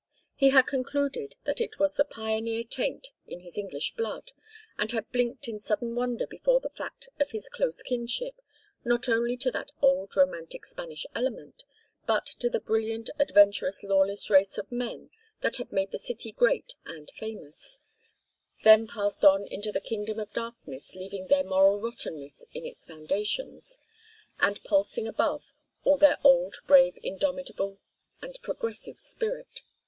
He had concluded that it was the pioneer taint in his English blood, and had blinked in sudden wonder before the fact of his close kinship, not only to that old romantic Spanish element, but to the brilliant adventurous lawless race of men that had made the city great and famous, then passed on into the kingdom of darkness leaving their moral rottenness in its foundations, and, pulsing above, all their old brave indomitable and progressive spirit.